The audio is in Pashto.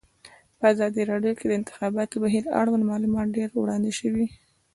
په ازادي راډیو کې د د انتخاباتو بهیر اړوند معلومات ډېر وړاندې شوي.